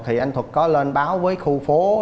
thì anh thuật có lên báo với khu phố